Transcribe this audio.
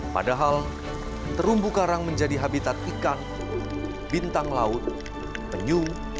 padahal terumbu karang menjadi habitat ikan bintang laut penyu